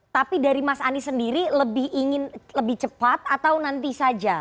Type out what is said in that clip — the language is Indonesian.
tapi dari mas anies sendiri lebih ingin lebih cepat atau nanti saja